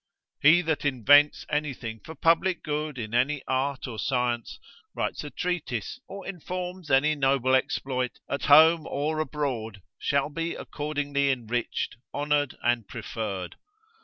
——— He that invents anything for public good in any art or science, writes a treatise, or performs any noble exploit, at home or abroad, shall be accordingly enriched, honoured, and preferred.